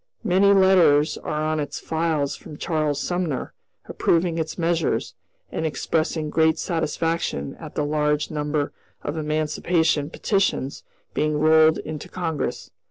Many letters are on its files from Charles Sumner, approving its measures, and expressing great satisfaction at the large number of emancipation petitions being rolled into Congress.